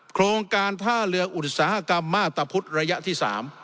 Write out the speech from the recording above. โครงการท่าเรืออุตสาหกรรมมาตรพุทธระยะที่๓